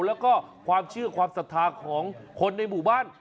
แล้วก็ความเชื่อความศรัทธาของคนในหมู่บ้าน